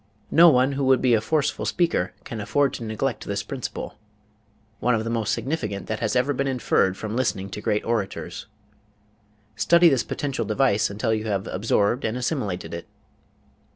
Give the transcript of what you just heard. No one who would be a forceful speaker can afford to neglect this principle one of the most significant that has ever been inferred from listening to great orators. Study this potential device until you have absorbed and assimilated it.